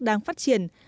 đang phát triển thương mại